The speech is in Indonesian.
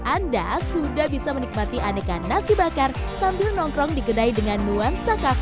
anda sudah bisa menikmati aneka nasi bakar sambil nongkrong di kedai dengan nuansa kafe